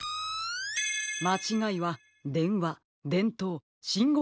まちがいはでんわでんとうしんごうきの３つです。